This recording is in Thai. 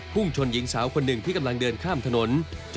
่งชนหญิงสาวคนหนึ่งที่กำลังเดินข้ามถนน